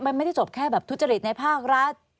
โอ้มันไม่ได้ชนบแค่ธุจริตในภาครัฐ